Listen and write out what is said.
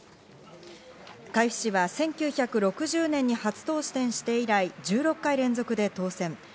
海部氏は１９６０年に初当選して以来、１６回連続で当選。